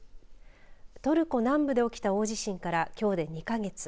トルコ南部で起きた大地震からきょうで２か月。